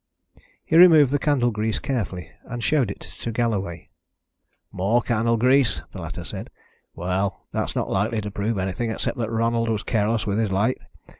He removed the candle grease carefully, and showed it to Galloway. "More candle grease!" the latter said. "Well, that's not likely to prove anything except that Ronald was careless with his light.